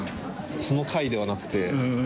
その回ではなくて。